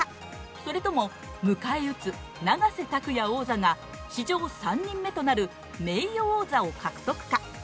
それとも、迎え撃つ永瀬拓矢王座が史上３人目となる名誉王座を獲得か。